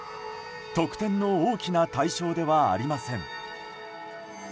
得点の大きな対象ではありません。